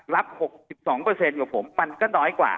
รับ๖๒กว่าผมมันก็น้อยกว่า